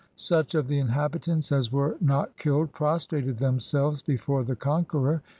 Such of the inhabitants as were not killed prostrated themselves before the conqueror.